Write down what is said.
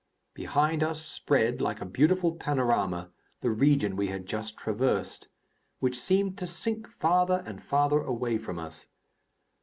Behind us spread, like a beautiful panorama, the region we had just traversed, which seemed to sink farther and farther away from us.